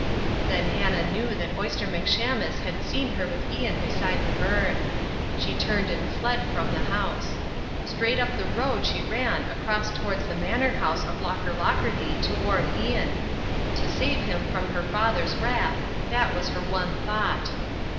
Then Hannah knew that Oyster McShamus had seen her with Ian beside the burn. She turned and fled from the house. Straight up the road she ran across towards the manor house of Aucherlocherty to warn Ian. To save him from her father's wrath, that was her one thought.